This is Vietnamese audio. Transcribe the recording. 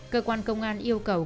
cơ quan công an yêu cầu